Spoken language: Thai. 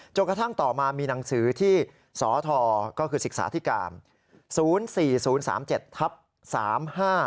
จนกระทั่งต่อมามีหนังสือที่สทศิษย์ศาสตร์ศิกษาอธิกรรม